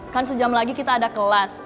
kan sejam lagi kita ada kelas